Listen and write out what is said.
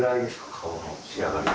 顔の仕上がり。